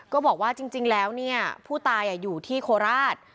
ก็บอกว่าจริงแล้วเนี่ยผู้ตายอยู่ที่โคราช